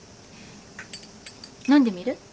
飲んでみる？